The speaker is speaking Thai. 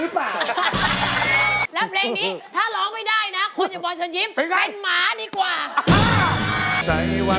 บ้าหรือเปล่า